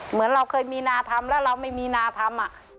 เหมือนเราเคยมีนาธรรมแล้วเราไม่มีนาธรรม